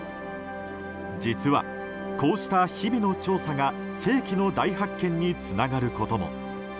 実は、こうした日々の調査が世紀の大発見につながることも。